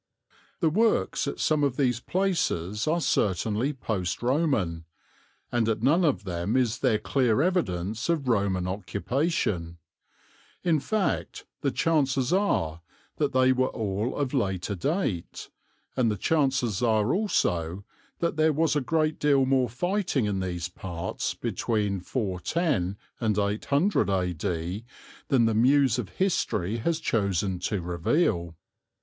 The works at some of these places are certainly post Roman, and at none of them is there clear evidence of Roman occupation; in fact, the chances are that they were all of later date; and the chances are also that there was a great deal more fighting in these parts between 410 and 800 A.D. than the muse of history has chosen to reveal.